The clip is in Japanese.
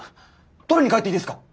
取りに帰っていいですか？